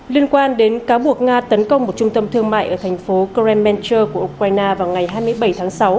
liên quan đến cáo buộc nga tấn công một trung tâm thương mại ở thành phố krem mentur của ukraine vào ngày hai mươi bảy tháng sáu